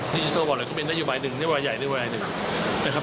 ดิจิโซบอกเลยก็เป็นนโยบายหนึ่งนโยบายใหญ่นโยบายหนึ่งนะครับ